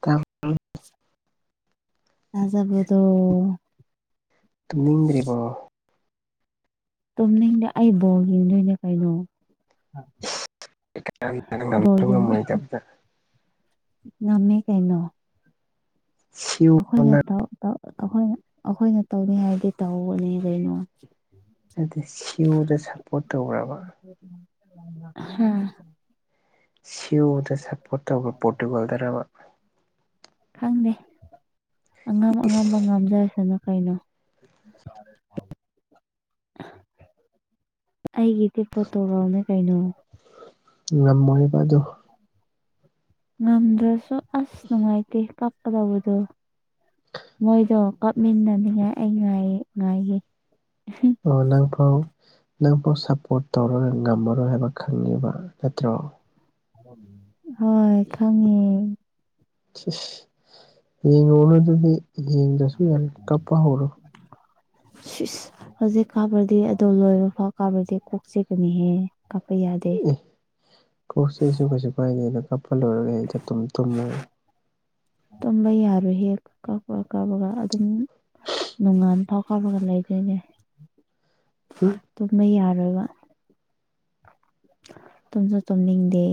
ꯇꯥꯕ ꯇꯥꯖꯕꯗꯣ ꯇꯨꯝꯅꯤꯡꯗ꯭ꯔꯤꯕꯣ ꯇꯨꯝꯅꯤꯡꯗꯦ ꯑꯩ ꯕꯣꯜ ꯌꯦꯡꯗꯣꯏꯅꯦ ꯀꯩꯅꯣ ꯕꯣꯜ ꯉꯝꯁꯨ ꯌꯦꯡꯕꯩ ꯉꯝꯃꯣꯏꯗꯕꯗ ꯉꯝꯃꯦ ꯀꯩꯅꯣ [unintelligible] ꯑꯩꯈꯣꯏꯅ ꯇꯧ ꯇꯧ ꯑꯩꯈꯣꯏꯅ ꯑꯩꯈꯣꯏꯅ ꯇꯧꯅꯤꯍꯥꯏꯗꯤ ꯇꯧꯕꯅꯤ ꯀꯩꯅꯣ ꯅꯠꯇꯦ ꯁ꯭ꯌꯨꯗ ꯁꯞꯄꯣꯔꯠ ꯇꯧꯕ꯭ꯔꯥꯕ ꯍꯨꯝ ꯁ꯭ꯌꯨꯗ ꯁꯞꯄꯣꯔꯠ [unintelligible] ꯄꯣꯇꯨꯒꯜꯗꯔꯕ ꯈꯪꯗꯦ ꯑꯉꯝ ꯑꯉꯝꯕ ꯏꯁ ꯉꯥꯝꯖꯔꯁꯅꯨ ꯀꯩꯅꯣ [unintelligible] [unintelligible] ꯑꯩꯒꯤꯗꯤ ꯄꯣꯇꯨꯒꯜꯅꯦ ꯀꯩꯅꯣ ꯉꯝꯃꯣꯏꯕ ꯑꯗꯨ ꯉꯝꯗ꯭ꯔꯁꯨ ꯑꯁ ꯅꯨꯡꯉꯥꯏꯇꯦ ꯀꯞꯀꯗꯧꯕꯗꯣ ꯃꯣꯏꯗꯣ ꯀꯥꯞꯃꯤꯟꯅꯅꯤꯡꯉꯥꯏ ꯑꯩ ꯉꯥꯏ ꯉꯥꯏꯒꯤ ꯑꯣ ꯅꯪꯐꯥꯎ ꯅꯪꯐꯥꯎ ꯁꯞꯄꯣꯔꯠ ꯇꯧꯔ ꯉꯝꯃꯔꯣꯏ ꯍꯥꯏꯕ ꯈꯪꯉꯤꯕ ꯅꯠꯇ꯭ꯔꯣ ꯍꯣꯏ ꯈꯪꯉꯦ ꯌꯦꯡꯉꯨꯅ ꯑꯗꯨꯗꯤ ꯌꯦꯡꯗ꯭ꯔꯁꯨ ꯌꯥꯝ ꯀꯥꯞꯄ ꯍꯧꯔꯣ ꯁꯤꯁ ꯏꯁ ꯍꯧꯖꯤꯛ ꯀꯥꯞꯔꯗꯤ ꯑꯗꯨ ꯂꯣꯏꯕ ꯐꯥꯎ ꯀꯥꯞꯔꯗꯤ ꯀꯣꯛꯆꯤꯛꯀꯅꯤꯍꯦ ꯀꯥꯞꯄ ꯌꯥꯗꯦ ꯀꯣꯛ ꯀꯩꯁꯨ ꯀꯩꯁꯨ ꯀꯥꯏꯗꯦꯗ ꯀꯥꯞꯄ ꯂꯣꯏꯔꯒꯦ ꯍꯦꯇ ꯇꯨꯝ ꯇꯨꯝꯃꯨ ꯇꯝꯕ ꯌꯥꯔꯣꯏꯍꯦ ꯀꯞꯄꯒ ꯀꯥꯕꯒ ꯑꯗꯨꯝ ꯅꯣꯡꯉꯥꯞ ꯄꯥꯎ ꯀꯞꯔꯒ ꯂꯩꯗꯣꯏꯅꯦ ꯍꯨꯝ ꯇꯨꯝꯕ ꯌꯥꯔꯣꯏꯕ ꯇꯨꯝꯁꯨ ꯇꯨꯝꯅꯤꯡꯗꯦ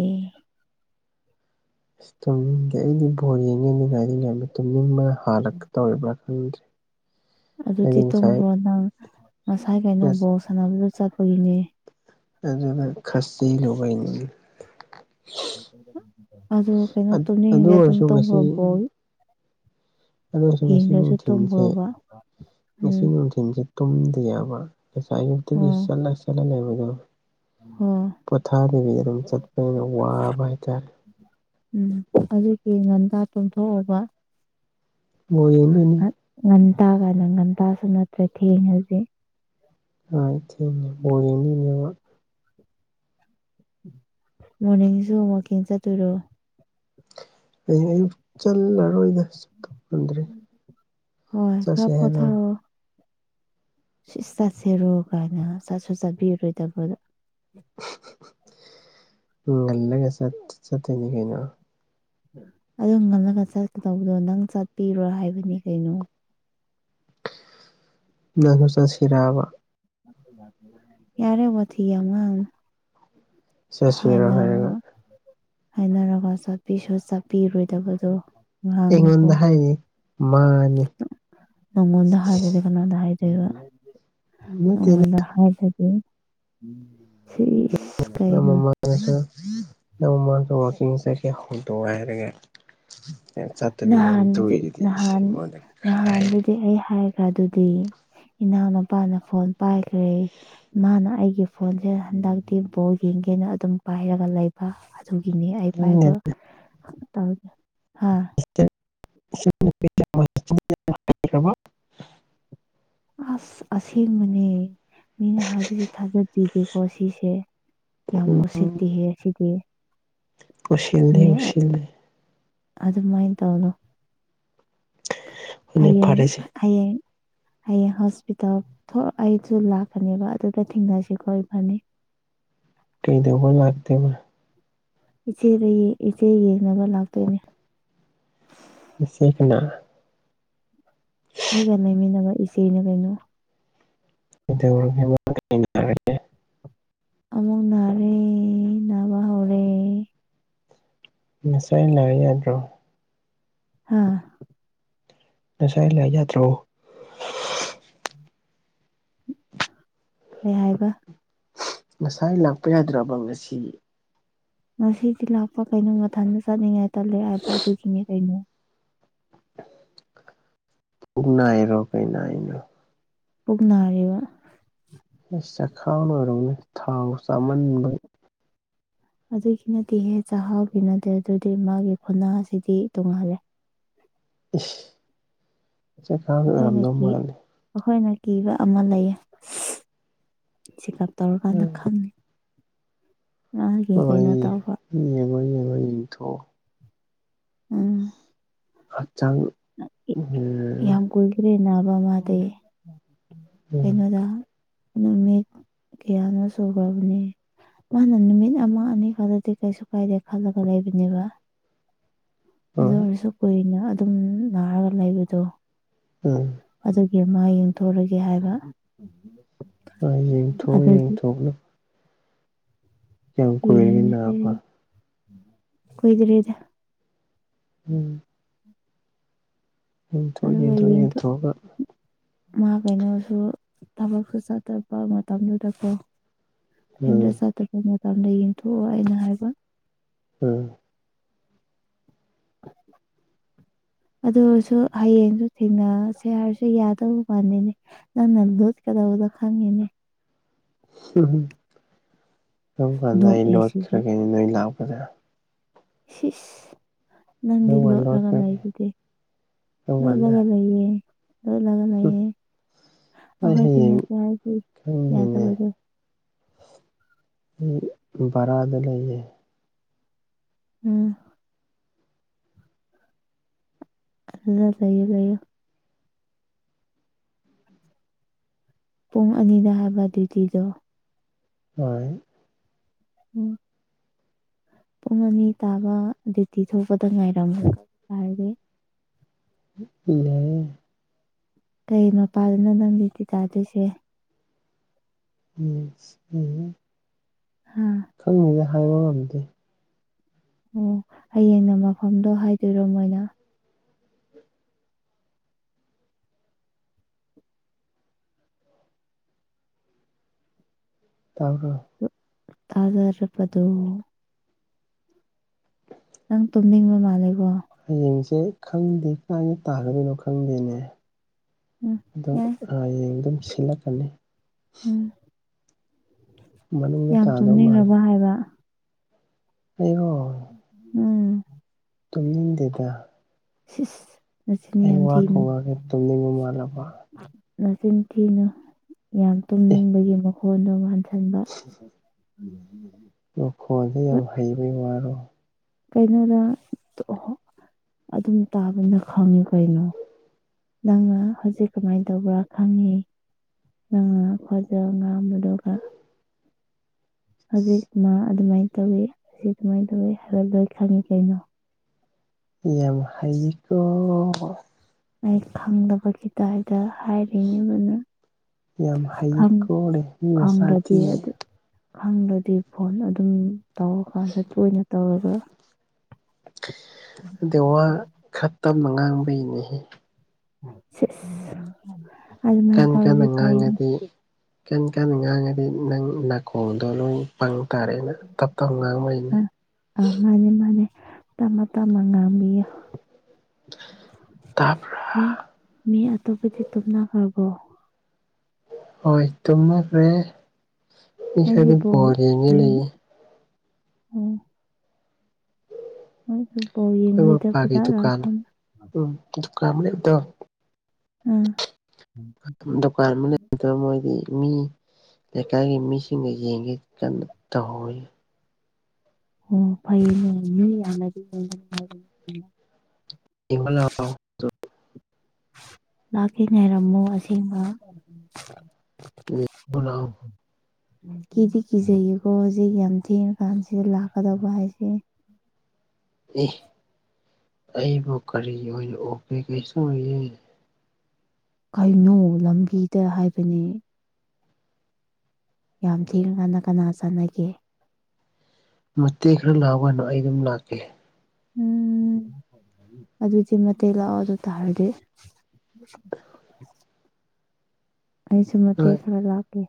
ꯑꯁ ꯇꯨꯝꯅꯤꯡꯗꯦ ꯑꯩꯗꯤ ꯕꯣꯜ ꯌꯦꯡꯅꯤꯡꯏꯅ ꯑꯩꯗꯤ ꯌꯥꯝꯅ ꯇꯨꯝꯅꯤꯡꯕ ꯍꯥꯜꯂꯛꯀ ꯇꯧꯔꯤꯕ꯭ꯔꯥ ꯈꯪꯗ꯭ꯔꯦ ꯑꯗꯨꯗꯤ ꯇꯣꯝꯈꯔꯣ ꯅꯪ ꯉꯁꯥꯏ ꯀꯩꯅꯣ ꯑꯁ ꯕꯣꯜ ꯁꯥꯟꯅꯕꯗꯨ ꯆꯠꯄꯒꯤꯅꯤ ꯑꯗꯨꯒ ꯈꯥꯁꯤ ꯂꯣꯏ ꯑꯗꯨ ꯀꯩꯅꯣ ꯑꯗꯨ ꯇꯨꯝꯅꯤꯡꯔꯦ ꯑꯗꯨꯝ ꯑꯣꯏꯔꯁꯨ ꯇꯣꯝꯔꯕꯣ ꯑꯗꯨꯁꯨ ꯉꯁꯤ ꯅꯨꯡꯊꯤꯜꯁꯦ ꯇꯨꯝꯈ꯭ꯔꯣꯕ ꯉꯁꯤ ꯎꯝ ꯅꯨꯡ ꯊꯤꯟꯁꯦ ꯇꯨꯝꯗꯤꯌꯦꯕ ꯉꯁꯥꯏ ꯑꯌꯨꯛꯇꯒꯤ ꯑꯣ ꯆꯠꯂ ꯆꯠꯂ ꯂꯩꯕꯗꯣ ꯍꯣꯏ ꯄꯣꯊꯥꯕꯤꯒꯤ ꯑꯗꯨꯝ ꯆꯠꯄꯅꯤꯅ ꯋꯥꯕ ꯍꯥꯏꯇꯥꯔꯦ ꯎꯝ ꯑꯗꯨꯒꯤ ꯉꯟꯗ ꯇꯣꯝꯊꯣꯛꯑꯕ ꯃꯣꯏ ꯑꯅꯤ ꯉꯟꯇꯥꯒꯅ ꯉꯒꯟꯇꯥꯁꯨ ꯅꯠꯇ꯭ꯔꯦ ꯊꯦꯡꯉꯗꯤ ꯑꯥꯏ ꯊꯦꯡꯉꯦ ꯕꯣꯜ ꯌꯦꯡꯅꯤꯡꯉꯦꯕ ꯃꯣꯔꯅꯤꯡꯁꯨ ꯋꯥꯀꯤꯡ ꯆꯠꯇꯨꯔꯣ ꯍꯌꯦꯡ ꯑꯌꯨꯛ ꯆꯠꯂꯔꯣꯏꯗ ꯆꯞꯄ ꯉꯗ꯭ꯔꯦ ꯍꯣꯏ ꯈꯔ ꯆꯠꯁꯦ ꯍꯥꯏꯔꯣ ꯁꯤꯏꯁ ꯆꯥꯁꯦꯔꯣ ꯀꯥꯏꯅ ꯆꯥꯁꯨ ꯆꯥꯕꯤꯔꯔꯣꯏꯗꯕ ꯂꯜꯂꯒ ꯆꯠ ꯆꯠꯇꯣꯏꯅꯤ ꯀꯩꯅꯣ ꯑꯗꯨꯝ ꯉꯜꯂꯒ ꯆꯠꯀꯗꯧꯕꯗꯣ ꯅꯪ ꯆꯠꯄꯤꯔꯣ ꯍꯥꯏꯕꯅꯤ ꯀꯩꯅꯣ ꯅꯪꯁꯨ ꯆꯥꯠꯁꯤꯔꯕꯥ ꯌꯥꯔꯦ ꯋꯊꯤ ꯌꯝ ꯉꯥꯡꯅꯨ ꯆꯠꯁꯤꯔꯣ ꯍꯥꯏꯔꯒ ꯍꯥꯏꯅꯔꯒ ꯍꯥꯏꯅꯔꯒ ꯆꯠꯄꯤꯁꯨ ꯆꯠꯄꯤꯔꯣꯏꯗꯕꯗꯣ ꯉꯥꯡꯅꯨꯀꯣ ꯑꯩꯉꯣꯟꯗ ꯍꯥꯏꯔꯤ ꯃꯥꯅꯤ ꯅꯪꯉꯣꯟꯗ ꯍꯥꯏꯔꯗꯤ ꯀꯅꯥꯗ ꯍꯥꯏꯗꯣꯏꯕ ꯅꯠꯇꯦ ꯅꯉꯣꯟꯗ ꯍꯥꯏꯗꯗꯤ ꯁꯤ ꯏꯁ ꯅꯪ ꯃꯃꯥꯡꯁꯨ ꯅꯪ ꯃꯃꯡꯁꯨ ꯋꯥꯛꯀꯤꯡ ꯆꯠꯒꯦ ꯍꯧꯗꯣꯛ ꯍꯥꯏꯔꯒ ꯅꯪ ꯆꯠꯇꯕꯤ ꯑꯗꯨꯝ ꯅꯍꯥꯟꯗꯨꯗꯤ ꯇꯧꯛꯏꯗꯨꯗꯤ ꯏꯁ [unintelligible] ꯑꯦ ꯑꯩꯄ ꯍꯥꯏ ꯑꯗꯨꯗꯤ ꯏꯅꯥꯎꯅꯨꯄꯥꯅ ꯐꯣꯟ ꯄꯥꯏꯈ꯭ꯔꯦ ꯃꯥꯅ ꯑꯩꯒꯤ ꯐꯣꯟꯁꯦ ꯍꯟꯗꯛꯇꯤ ꯕꯣꯜ ꯌꯦꯡꯒꯦꯅ ꯑꯗꯨꯝ ꯄꯥꯏꯔꯒ ꯂꯩ ꯑꯗꯨꯒꯤꯅꯤ ꯑꯩ ꯄꯥꯏꯕ ꯇꯧꯒꯦ ꯍꯥ [unintelligible] ꯑꯁ ꯑꯁꯦꯡꯕꯅꯦ ꯃꯤꯅ ꯍꯥꯏꯕꯁꯦ ꯊꯥꯖꯗꯦꯕꯤꯀꯣ ꯁꯤꯁꯦ ꯌꯥꯝ ꯎꯁꯤꯠꯇꯤꯍꯦ ꯑꯁꯤꯗꯤ ꯀꯨꯁꯤꯜꯂꯤ ꯎꯁꯤꯜꯂꯤ ꯑꯗꯨꯃꯥꯏꯅ ꯇꯧꯅꯨ ꯍꯣꯏꯅꯦ ꯍꯌꯦꯡ ꯐꯔꯦꯁꯦ ꯍꯌꯦꯡ ꯍꯌꯦꯡ ꯍꯣꯁꯄꯤꯇꯥꯜ ꯊꯣꯛ ꯑꯩꯁꯨ ꯂꯥꯛꯀꯅꯦꯕ ꯑꯗꯨꯗ ꯊꯦꯡꯅꯁꯤꯀꯣ ꯏꯕꯥꯅꯤ ꯀꯩꯗꯧꯕ ꯂꯥꯛꯇꯣꯏꯕ ꯏꯆꯦꯒꯤ ꯏꯆꯦ ꯌꯦꯡꯅꯕ ꯂꯥꯛꯇꯣꯏꯅꯦ ꯅꯆꯦ ꯀꯅꯥ ꯑꯩꯒ ꯂꯩꯃꯤꯟꯅꯕ ꯏꯆꯦꯅꯦ ꯀꯩꯅꯣ ꯀꯩꯗꯧꯔꯒꯦ [unintelligible] ꯑꯃꯨꯛ ꯅꯥꯔꯦ ꯅꯥꯕ ꯍꯧꯔꯦ ꯉꯁꯥꯏꯅ ꯂꯥꯛꯑ ꯌꯥꯗ꯭ꯔꯣ ꯍꯥ ꯉꯁꯥꯏ ꯂꯥꯛ ꯌꯥꯗ꯭ꯔꯣ ꯀꯩ ꯍꯥꯏꯕ ꯉꯁꯥꯏ ꯂꯥꯛꯄ ꯌꯥꯗ꯭ꯔꯕ ꯉꯁꯤ ꯉꯁꯤꯗꯤ ꯂꯥꯛꯄ ꯀꯩꯅꯣ ꯃꯊꯟꯗ ꯆꯠꯅꯤꯡꯉꯥꯏ ꯇꯜꯂꯦ ꯍꯥꯏꯕ ꯑꯗꯨꯒꯤꯅꯦ ꯀꯩꯅꯣ ꯄꯨꯛ ꯅꯔꯤꯔꯣ ꯀꯩ ꯅꯥꯏꯅꯣ ꯄꯨꯛ ꯅꯥꯔꯤꯕ ꯑꯁ ꯆꯈꯥꯎ ꯅ ꯑꯣꯏꯔꯝꯒꯅꯤ ꯊꯥꯎ ꯆꯥꯃꯟꯕꯩ ꯑꯗꯨꯒꯤꯅꯇꯤꯍꯦ ꯆꯥꯛꯍꯥꯎꯒꯤ ꯅꯠꯇꯦ ꯑꯗꯨꯗꯤ ꯃꯥꯒꯤ ꯈꯨꯣꯟꯅꯥꯁꯤꯗꯤ ꯇꯣꯡꯉꯥꯜꯂꯦ ꯏꯁ ꯆꯈꯥꯎꯒꯤ ꯑꯩꯈꯣꯏꯅ ꯑꯣꯏꯔꯝꯗꯧ ꯀꯤ ꯃꯥꯜꯂꯤ ꯑꯩꯈꯣꯏꯅ ꯀꯤꯕ ꯑꯃ ꯂꯩꯌꯦ ꯆꯦꯛꯑꯞ ꯇꯧꯔꯀꯥꯟꯗ ꯎꯝ ꯈꯪꯅꯤ ꯃꯥꯒꯤ ꯀꯩꯅꯣ ꯇꯧꯕ ꯎꯝ ꯌꯦꯡꯉꯣ ꯌꯦꯡꯉꯣ ꯌꯦꯡꯊꯣꯛ ꯑꯣ ꯎꯝ ꯍꯛꯆꯥꯡ ꯎꯝ ꯌꯥꯝ ꯀꯨꯏꯈ꯭ꯔꯦ ꯅꯥꯕ ꯃꯗꯤ ꯀꯩꯅꯣꯗ ꯅꯨꯃꯤꯠ ꯀꯌꯥꯅꯣ ꯁꯨꯈ꯭ꯔꯕꯅꯤ ꯃꯥꯅ ꯅꯨꯃꯤꯠ ꯑꯃ ꯑꯅꯤ ꯈꯛꯇꯗꯤ ꯀꯩꯁꯨ ꯀꯥꯏꯗꯦ ꯈꯜꯂꯒ ꯂꯩꯕꯅꯦꯕ ꯑꯗꯨ ꯍꯣꯏ ꯑꯣꯏꯔꯁꯨ ꯀꯨꯏꯅ ꯑꯗꯨꯝ ꯅꯥꯔꯒ ꯂꯩꯕꯗꯣ ꯎꯝ ꯑꯗꯨꯒꯤ ꯃꯥ ꯌꯦꯡꯊꯣꯛꯔꯒꯦ ꯍꯥꯏꯕ ꯍꯣꯏ ꯌꯦꯡꯊꯣꯛ ꯑꯗꯨꯒꯤ ꯌꯦꯡꯊꯣꯛꯑꯣꯅ ꯀꯨꯏꯔꯒꯦ ꯌꯦꯡꯉꯤꯁꯦ ꯅꯥꯕ ꯀꯨꯢꯗꯔꯤꯗ ꯎꯝ ꯌꯦꯡꯊꯣꯛ ꯑꯗꯨꯒ ꯌꯦꯡꯊꯣꯛ ꯌꯦꯡꯊꯣꯛꯑꯒ ꯃꯥ ꯀꯩꯅꯣꯁꯨ ꯊꯕꯛꯁꯨ ꯆꯠꯇꯕ ꯃꯇꯝꯗꯨꯗꯀꯣ [unintelligible] ꯎꯝ ꯆꯠꯇꯄ ꯃꯇꯝꯗ ꯌꯦꯡꯊꯣꯛꯑꯣ ꯑꯩꯅ ꯍꯥꯏꯕ ꯎꯝ [inaudible] ꯑꯗꯨꯑꯨꯢꯁꯨ ꯍꯌꯦꯡꯁꯨ ꯊꯦꯡꯅꯁꯦ ꯍꯥꯏꯔꯁꯨ ꯌꯥꯗꯧ ꯃꯥꯜꯂꯤꯅꯦ ꯅꯪꯅ ꯂꯣꯠꯀꯗꯧꯕꯗꯣ ꯈꯪꯉꯤꯅꯦ [unintelligible] ꯀꯝ ꯀꯥꯟꯗ ꯑꯩ ꯅꯣꯛꯑꯦ ꯁꯤꯗꯤ ꯂꯣꯠꯈ꯭ꯔꯒꯦꯅꯦ ꯅꯣꯏ ꯂꯥꯛꯄꯗꯥ ꯁꯤꯁ ꯅꯪꯗꯤ ꯀꯔꯝ ꯀꯥꯟ ꯂꯣꯠꯂꯒ ꯂꯣꯠꯈ꯭ꯔꯒꯦ ꯂꯩꯗꯨꯗꯤ ꯀꯔꯝ ꯀꯥꯟꯗ ꯂꯣꯠꯂꯒ ꯂꯩꯌꯦ ꯂꯣꯠꯂꯒ ꯂꯩꯌꯦ ꯑꯩ ꯑꯩꯈꯣꯏ ꯍꯌꯦꯡ ꯊꯦꯡꯅꯁꯦ ꯍꯥꯏꯁꯤ ꯈꯪꯗꯦꯅꯦ ꯌꯥꯗꯕꯗꯣ [unintelligible] ꯕꯔꯥꯗ ꯂꯩꯌꯦ ꯎꯝ ꯐꯖꯅ ꯂꯩꯌꯣ ꯂꯩꯌꯣ ꯄꯨꯡ ꯑꯅꯤꯗ ꯍꯥꯏꯕ ꯗ꯭ꯌꯨꯇꯤꯗꯣ ꯍꯣꯏ [unintelligible] ꯄꯨꯡ ꯑꯅꯤ ꯇꯥꯕ ꯗ꯭ꯌꯨꯇꯤ ꯊꯣꯛꯄꯗ ꯉꯥꯏꯔꯝꯃꫭ [unintelligible] ꯌꯥꯏꯌꯦ ꯀꯩ ꯃꯄꯥꯗꯅꯣ ꯅꯪ ꯗ꯭ꯌꯨꯇꯤ ꯇꯥꯗꯣꯏꯁꯦ [unintelligible] ꯍꯥ ꯈꯪꯗꯦꯅꯦ ꯍꯥꯏꯕ ꯉꯝꯗꯦ ꯑꯣ ꯍꯌꯦꯡꯅ ꯃꯐꯝꯗꯣ ꯍꯥꯏꯗꯣꯏꯔꯣ ꯃꯣꯏꯅ ꯇꯥꯕ꯭ꯔꯣ ꯇꯥꯖꯔꯕꯗꯣ ꯅꯪ ꯇꯨꯝꯅꯤꯡꯕ ꯃꯥꯜꯂꯦꯀꯣ ꯍꯌꯦꯡꯖꯦ ꯈꯪꯗꯦ ꯀꯥꯏꯅ ꯇꯥꯒꯗꯣꯏꯅꯣ ꯈꯪꯗꯦꯅꯦ ꯎꯝ ꯑꯗꯣ ꯌꯥꯏ ꯍꯌꯦꯡ ꯑꯗꯨꯝ ꯁꯤꯜꯂꯛꯀꯅꯤ ꯎꯝ ꯃꯅꯨꯡꯗ ꯌꯥꯝ ꯇꯥꯗꯧ ꯃꯥꯜꯂꯦ ꯆꯨꯝꯅꯤꯡꯔꯕꯣ ꯍꯥꯏꯕ ꯑꯩꯔꯣ [unintelligible] ꯇꯨꯝꯅꯤꯡꯗꯦꯗ [unintelligible] ꯅꯆꯤꯟ ꯑꯩ ꯌꯥꯝ ꯋꯥ ꯊꯤꯅꯨ ꯈꯨꯋꯥꯁꯦ ꯇꯨꯝꯅꯤꯡꯕ ꯃꯥꯜꯂꯕ ꯅꯆꯤꯟꯊꯤꯅꯨ ꯌꯥꯝ ꯑꯦ ꯇꯨꯝꯅꯤꯡꯕꯒꯤ ꯃꯈꯣꯟꯗꯨ ꯃꯥꯟꯁꯤꯟꯕ [inaudible] ꯃꯈꯣꯜꯗ ꯌꯥꯝ ꯍꯩꯕꯩ ꯋꯥꯔꯣ ꯀꯩꯅꯣ ꯅꯪ [unintelligible] ꯑꯗꯨꯝ ꯇꯥꯕꯅꯤꯅ ꯈꯪꯉꯤ ꯀꯩꯅꯣ ꯅꯪꯅ ꯍꯧꯖꯤꯛ ꯀꯃꯥꯏꯟ ꯇꯧꯕ꯭ꯔ ꯈꯪꯉꯤ ꯅꯪꯅ [unintelligible] ꯉꯥꯡꯕꯗꯨꯒ ꯍꯧꯖꯤꯛ ꯉꯥꯡ ꯑꯗꯨꯃꯥꯏꯟ ꯇꯧꯋꯤ ꯑꯁꯤ ꯑꯗꯨꯃꯥꯏꯟ ꯇꯧꯋꯤ ꯍꯥꯏꯕ ꯂꯣꯏ ꯈꯪꯉꯤ ꯀꯩꯅꯣ ꯌꯥꯝ ꯍꯩꯀꯣ ꯑꯩ ꯈꯪꯗꯕꯒꯤ ꯗꯥꯏꯗ ꯍꯥꯏꯔꯤꯅꯦꯕ ꯅꯪ ꯌꯥꯝ ꯍꯩꯀꯣꯅꯦ ꯃꯤ ꯈꯪꯗ꯭ꯔꯗꯤ ꯃꯆꯥꯗꯤ ꯑꯗꯨ ꯈꯪꯗ꯭ꯔꯗꯤ ꯐꯣꯟ ꯑꯗꯨꯝ ꯇꯧꯔꯀꯥꯟꯗ ꯇꯣꯏꯅ ꯇꯧꯔꯒ ꯅꯠꯇꯦ ꯋꯥ ꯈꯔ ꯇꯞꯅ ꯉꯥꯡꯕꯩꯅꯦꯍꯦ [unintelligible] ꯑꯗꯨꯃꯥꯏꯅ ꯀꯟꯅ ꯇꯧꯔꯗꯤ ꯐꯩꯅꯦ ꯉꯥꯡꯉꯗꯤ ꯀꯟ ꯀꯟ ꯉꯥꯡꯉꯗꯤ ꯅꯪ ꯅꯥꯀꯣꯡꯗꯣ ꯂꯣꯏ ꯄꯪ ꯇꯥꯔꯦꯅ ꯇꯞ ꯇꯞꯅ ꯉꯥꯡꯕꯩꯅꯦ ꯑꯥ ꯑꯥ ꯃꯥꯅꯦ ꯃꯥꯅꯦ ꯇꯞꯅ ꯇꯞꯅ ꯉꯥꯡꯕꯤꯌꯣ ꯇꯥꯕ꯭ꯔ ꯃꯤ ꯃꯤ ꯑꯇꯣꯞꯄꯗꯤ ꯇꯨꯝꯅꯈ꯭ꯔꯕꯣ ꯍꯣꯏ ꯇꯨꯝꯅꯈ꯭ꯔꯦ ꯃꯤ ꯈꯔꯗꯤ ꯕꯣꯜ ꯌꯦꯡꯒꯦ ꯂꯩꯌꯦ ꯎꯝ ꯅꯪꯁꯨ ꯕꯣꯜ ꯑꯩꯈꯣꯏ ꯌꯦꯡꯉꯣꯏꯗꯕ ꯃꯄꯥꯒꯤ ꯖꯥꯠꯂ ꯗꯨꯀꯥꯟ [unintelligible] ꯎꯝ ꯗꯨꯀꯥꯟ ꯑꯃ ꯂꯩꯕꯗꯣ ꯎꯝ ꯗꯨꯀꯥꯟ ꯑꯃ ꯂꯩꯕꯗꫭ ꯃꯣꯏꯗꯤ ꯃꯤ ꯂꯩꯀꯥꯏꯒꯤ ꯃꯤꯁꯤꯡꯅ ꯌꯦꯡꯒꯦ ꯀꯟꯅ ꯇꯧꯍꯧꯔꯤ ꯑꯣ ꯐꯧꯅꯦ ꯃꯤ ꯌꯥꯝꯔꯗꯤ [unintelligible] ꯌꯦꯡꯕ ꯂꯥꯛꯑꯣ ꯂꯥꯛꯀꯦ ꯂꯩꯔꯝꯃꯣ ꯑꯁꯦꯡꯕ ꯌꯦꯡꯕ ꯂꯥꯛꯑꯣ ꯀꯤꯗꯤ ꯀꯤꯖꯩꯌꯦꯀꯣ ꯍꯧꯖꯤꯛ ꯌꯥꯝ ꯊꯦꯡꯉ ꯀꯥꯟꯁꯤꯗ ꯂꯥꯛꯀꯗꯕ ꯍꯥꯏꯁꯦ ꯑꯦ ꯑꯩꯕꯨ ꯀꯔꯤ ꯑꯣꯏꯅ ꯎꯕꯤꯒꯦ [unintelligible] ꯀꯩꯅꯣ ꯂꯝꯕꯤꯗ ꯍꯥꯏꯕꯅꯦ ꯌꯥꯝ ꯊꯦꯡꯉ ꯀꯥꯟꯗ ꯀꯅꯥ ꯆꯠꯅꯒꯦ ꯃꯇꯦꯛ ꯈꯔ ꯂꯥꯛꯎ ꯀꯩꯅꫭ ꯑꯩ ꯑꯗꯨꯝ ꯂꯥꯛꯀꯦ ꯎꯝ ꯑꯗꯨꯗꯤ ꯃꯇꯦꯛ ꯂꯥꯛꯑꯣ ꯑꯗꯨ ꯇꯥꯔꯗꯤ [inaudible] ꯑꯩꯁꯨ ꯃꯇꯦꯛ ꯍꯣꯏ ꯈꯔ ꯂꯥꯛꯀꯦ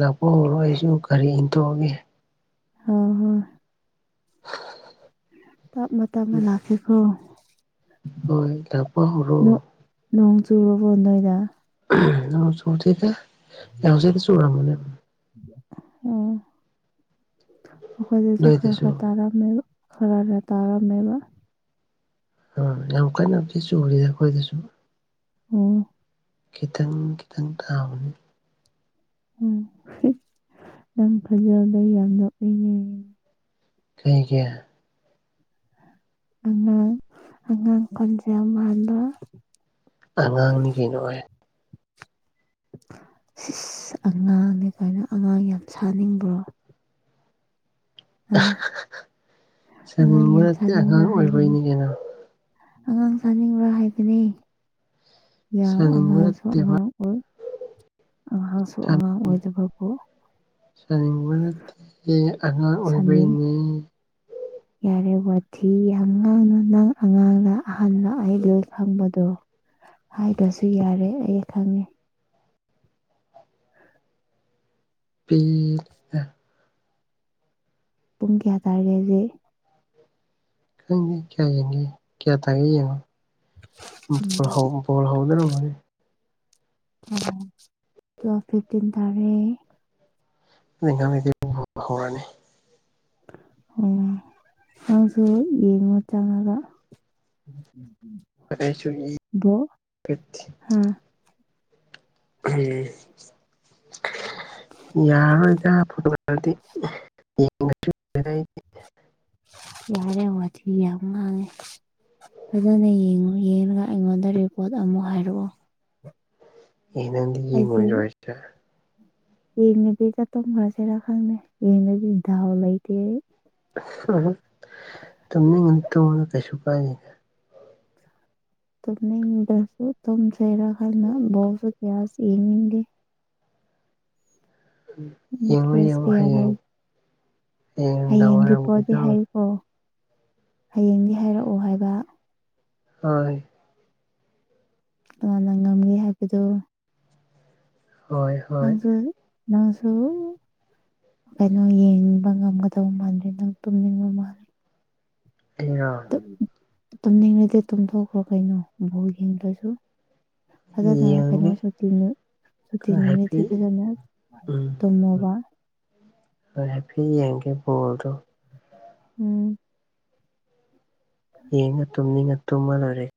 ꯂꯥꯛꯄ ꯍꯧꯔꯣ ꯑꯩꯁꯨ ꯒꯥꯔꯤ ꯏꯟꯊꫭꯛꯑꯒꯦ ꯍꫭ ꯍꯣꯏ ꯑ [inaudible] ꯇꯞꯅ ꯇꯞꯅ ꯂꯥꯛꯀꯦ ꯀꯣ ꯍꯣꯏ [unintelligible] ꯅꫭꯡ ꯅꯣꯡ ꯆꯨꯔꯕꯣ ꯅꯣꯏꯗ ꯅꯣꯡ ꯆꯨꯗꯦꯗꯥ ꯑꫭ ꯑꯩꯈꯣꯏꯗꯁꯨ ꯈꯔ ꯅꯣꯏꯗꯁꯨ ꯈꯔ ꯇꯥꯔꯝꯃꯦꯕ ꯈꯔ ꯈꯔ ꯇꯥꯔꯝꯃꯦꯕ ꯑ ꯌꯥꯝ ꯀꯟꯅꯕꯨꯗꯤ ꯆꯨꯔꯤꯗ ꯑꯩꯈꯣꯏꯗꯁꯨ ꯎꯝ ꯈꯤꯇꯪ ꯈꯤꯇꯪ ꯇꯥꯕꯅꯦ ꯎꯝ ꯅꯪ ꯈꫭꯟꯖꯦꯜꯗꫭ ꯌꯥꯝ ꯅꯣꯛꯅꯤꯡꯉꯦ ꯀꯩꯒꯤ ꯑꯉꯥꯡ ꯑꯉꯥꯡ ꯈꯣꯟꯖꯦꯜ ꯃꯥꯟꯕ ꯑꯉꯥꯡꯅꯤ ꯀꯩꯅꯣ ꯑꯦ ꯏꯁ ꯏꯁ ꯑꯉꯥꯡꯅꯦ ꯀꯥꯏꯅ ꯑꯉꯥꯡ ꯌꯥꯝ ꯁꯥꯅꯤꯡꯕ꯭ꯔꯣ ꯑꯥ ꯑꯉꯥꯡ ꯁꯥꯅꯤꯡꯕ ꯌꯥꯝ ꯅꯠꯇꯦ ꯁꯥꯅꯤꯡꯕ꯭ꯔꯥ ꯑꯉꯥꯡ ꯍꯥꯏꯕꯅꯤ ꯑꯣꯏꯕꯩꯅꯤ ꯀꯩꯅꯣ ꯑꯉꯥꯡ ꯁꯥꯅꯤꯡꯕ꯭ꯔꯥ ꯍꯥꯏꯕꯅꯦ ꯌꯥꯝ ꯁꯥꯅꯤꯡꯕ ꯑꯉꯥꯡꯁꯨ ꯅꯠꯇꯦꯕ ꯑꯉꯥꯡ ꯑꯣꯏ ꯑꯉꯥꯡꯁꯨ ꯑꯉꯥꯡ ꯑꯣꯏꯗꯕꯕꯨ ꯁꯥꯅꯤꯡꯕ ꯅꯠꯇꯤꯌꯦ ꯑꯉꯥꯡ ꯁꯥꯅꯩ ꯑꯣꯏꯕꯩꯅꯦ ꯌꯥꯔꯦ ꯋꯥꯊꯤ ꯌꯥꯝ ꯉꯥꯡꯅꯨ ꯅꯪ ꯑꯉꯥꯡꯔ ꯑꯍꯜꯂ ꯑꯩ ꯂꯣꯏ ꯈꯪꯕꯗꯣ ꯍꯥꯏꯗꯔꯁꯨ ꯌꯥꯔꯦ ꯑꯩ ꯈꯪꯉꯦ ꯄꯤꯛꯏ ꯄꯨꯡ ꯀꯌꯥ ꯇꯥꯔꯒꯦ ꯍꯧꯖꯤꯛ ꯈꯪꯗꯦ ꯀꯌꯥ ꯌꯦꯡꯉꯦ ꯀꯌꯥ ꯇꯥꯒꯦ ꯌꯦꯡꯉꯣ [unintelligible] ꯕꫭꯜ ꯍꯧꯗꯔꫭ ꯃꯥꯜꯂꯦ ꯎꯝ ꯇꯩꯌꯦꯞ ꯐꯤꯐꯇꯤꯟ ꯇꯥꯔꯦ ꯅꫭꯏ ꯑꯉꯥꯡꯒꯩꯗꯤ ꯍꯧꯔꯅꯤ ꯑꯣ ꯅꯪꯁꯨ ꯌꯦꯡꯉꯣ ꯆꯪꯉꯒ ꯎꯝ ꯎꯝ ꯎꯝ [unintelligible] ꯍꯥ ꯎꯝ ꯌꯥꯔꯣꯏꯗ ꯐꯨꯠ [unintelligible] ꯌꯥꯔꯦ ꯋꯥꯊꯤ ꯌꯥꯝ ꯉꯥꯡꯉꯦ ꯐꯖꯅ ꯌꯦꯡꯉꯣ ꯌꯦꯡꯉꯒ ꯑꯩꯉꯣꯟꯗ ꯔꯤꯄꯣꯔꯠ ꯑꯃꯨꯛ ꯍꯥꯏꯔꯛꯑꯣ ꯑꯦ ꯅꯪꯗꯤ ꯌꯦꯡꯉꯣꯏꯗ꯭ꯔꯣ ꯍꯥꯏꯁꯦ ꯌꯦꯡꯗꯕꯤ ꯇꯨꯃꯨꯔꯁꯤꯔ ꯈꯪꯗꯦ ꯌꯦꯡꯉꯗꯤ ꯗꯥꯥꯎ ꯂꯩꯗꯦ ꯎ ꯇꯨꯝꯅꯤꯡꯉꯅ ꯇꯨꯝꯃꯨ ꯀꯩꯁꯨ ꯀꯥꯏꯗꯦ ꯇꯨꯝꯅꯤꯡꯕ꯭ꯔꯁꯨ ꯇꯨꯝꯁꯔꯥ ꯍꯥꯏꯅ ꯕꯣꯜꯁꯨ ꯀꯌꯥꯁ ꯌꯦꯡꯅꯤꯡꯗꯦ ꯌꯦꯡꯉꯨ ꯏꯟꯇꯔꯦꯁ ꯌꯦꯡꯉꯨ ꯀꯌꯥ ꯂꯩ ꯍꯌꯦꯡ ꯍꯌꯦꯡꯗꯥ ꯑꯣꯏꯔꯝꯕꯤꯗꯣ ꯑꯣ ꯍꯌꯦꯡꯗꯤ ꯍꯥꯏꯔꯛꯑꯣ ꯍꯥꯏꯕ ꯍꯣꯏ ꯀꯅꯥꯅꯅ ꯉꯝꯒꯦ ꯍꯥꯏꯕꯗꯨ ꯍꯣꯏ ꯍꯣꯏ ꯅꯪꯁꯨ ꯅꯪꯁꯨ ꯀꯩꯅꯣ ꯌꯦꯡꯅꯤꯡꯕ ꯉꯝꯒꯗꯕ ꯃꯜꯗꯦ ꯅꯪ ꯇꯨꯝꯅꯤꯡꯕ ꯃꯥꯜꯂꯦ ꯑꯩꯔꯣ ꯇꯨꯝꯅꯤꯡꯉꯗꯤ ꯇꯨꯝꯊꯣꯛꯈ꯭ꯔꯣ ꯀꯩꯅꯣ ꯕꯣꯜ ꯌꯦꯡꯗ꯭ꯔꯁꯨ ꯐꯖꯅ ꯀꯩꯅꯣ ꯌꯦꯡꯒꯦ ꯁꯨꯇꯤ ꯁꯨꯇꯤ ꯈꯔ ꯅꯨꯃꯤꯠꯇ ꯍꯥꯏꯐꯦꯠ ꯐꯖꯅ ꯇꯨꯃꯣꯕ ꯑꯩ ꯍꯥꯏꯐꯦꯠ ꯌꯦꯡꯒꯦ ꯕꯣꯜꯗꯣ ꯎꯝ ꯌꯦꯡꯉ ꯇꯨꯝꯅꯤꯡꯉ ꯇꯨꯝꯃ ꯂꯣꯏꯔꯦ